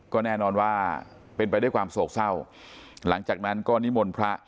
ก็แน่นอนว่าเป็นไปด้วยความโศกเศร้าหลังจากนั้นก็นิมนต์พระ